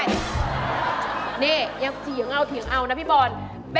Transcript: นี่อย่างที่ยังเอาอาการนะพี่ปลอดภัย